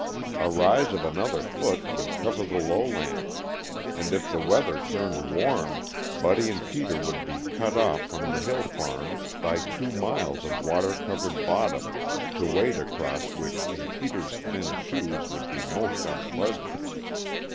A rise of another foot would cover the lowland, and if the weather turned warm Buddy and Peter would be cut off from the hill farms by two miles of water covered "bottom," to wade across which in Peter's thin shoes would be most unpleasant.